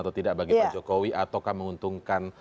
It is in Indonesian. atau tidak bagi pak jokowi ataukah menguntungkan